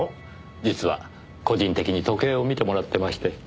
実は個人的に時計を見てもらってまして。